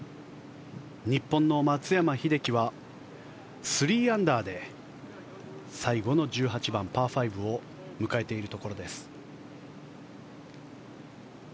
日本の松山英樹は３アンダーで最後の１８番、パー５を迎えているところです。